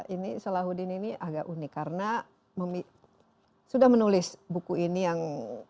ini salahuddin ini agak unik karena sudah menulis buku ini yang